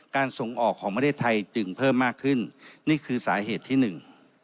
ส่งออกของประเทศไทยจึงเพิ่มมากขึ้นนี่คือสาเหตุที่หนึ่ง